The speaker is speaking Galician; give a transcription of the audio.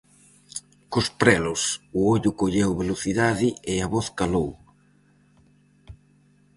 Cos prelos o ollo colleu velocidade e a voz calou.